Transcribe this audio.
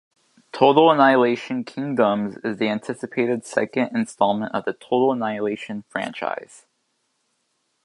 "Total Annihilation: Kingdoms" is the anticipated second installment of the "Total Annihilation" franchise.